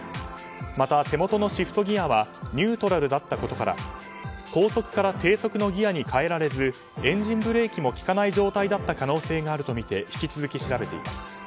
また手元のシフトギアはニュートラルだったことから高速から低速のギアに変えられずエンジンブレーキも利かない状態だった可能性があるとみて引き続き調べています。